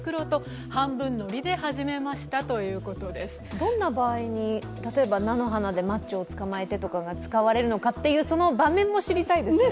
どんな場合に、例えば菜の花でマッチョを捕まえてが使われるのかその場面も知りたいですね。